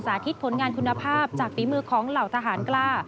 สาธิตผลงานคุณภาพจากฝีมือของเหล่าทหารกล้า